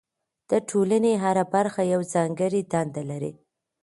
د ټولنې هره برخه یوه ځانګړې دنده لري.